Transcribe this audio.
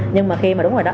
nhưng mà khi mà đúng rồi đó